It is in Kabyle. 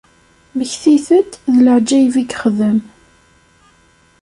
Mmektit-d d leɛǧayeb i yexdem.